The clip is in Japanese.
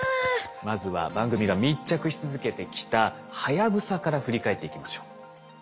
まずは番組が密着し続けてきた「はやぶさ」から振り返っていきましょう。